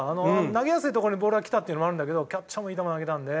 投げやすいところにボールが来たっていうのもあるんだけどキャッチャーもいい球上げたんで。